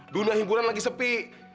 dunia hiburan lagi sepi